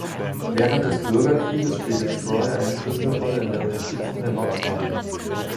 Während des Bürgerkrieges spielte Troy eine Schlüsselrolle in der Unterstützung der Nordstaaten.